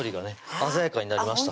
鮮やかになりました